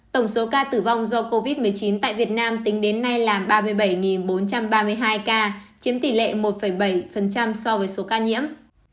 tổng số ca tử vong do covid một mươi chín tại việt nam tính đến nay là ba mươi bảy bốn trăm ba mươi hai ca chiếm tỷ lệ một bảy so với số ca nhiễm